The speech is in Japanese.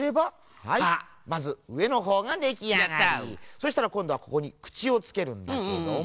そしたらこんどはここにくちをつけるんだけども。